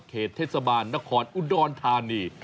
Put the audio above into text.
เขตเทศบาลนครอุดรธานี